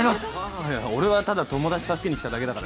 あいや俺はただ友達助けに来ただけだからよ